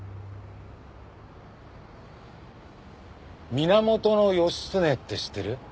源義経って知ってる？